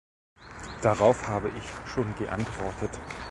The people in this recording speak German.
Darauf habe ich schon geantwortet.